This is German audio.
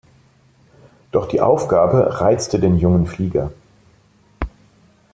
Doch die Aufgabe reizte den jungen Flieger.